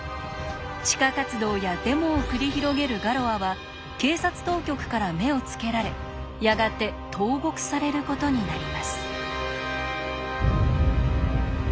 地下活動やデモを繰り広げるガロアは警察当局から目をつけられやがて投獄されることになります。